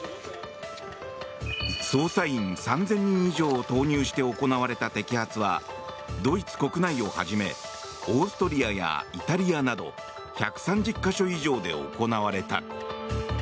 捜査員３０００人以上を投入して行われた摘発はドイツ国内をはじめオーストリアやイタリアなど１３０か所以上で行われた。